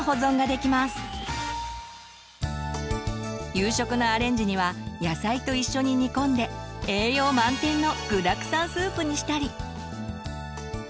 夕食のアレンジには野菜と一緒に煮込んで栄養満点の「具だくさんスープ」にしたり。